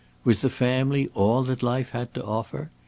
Was the family all that life had to offer?